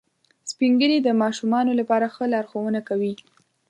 سپین ږیری د ماشومانو لپاره ښه لارښوونه کوي